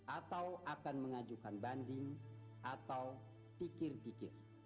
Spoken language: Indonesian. atau akan mengajukan banding atau pikir pikir